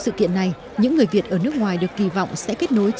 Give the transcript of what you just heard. sau sự kiện này những người việt ở nước ngoài được kỳ vọng sẽ có tầm ảnh hưởng